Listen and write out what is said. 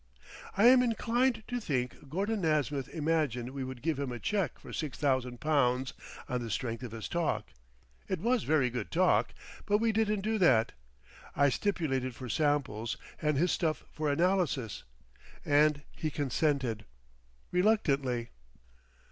I am inclined to think Gordon Nasmyth imagined we would give him a cheque for six thousand pounds on the strength of his talk. It was very good talk, but we didn't do that. I stipulated for samples of his stuff for analysis, and he consented—reluctantly.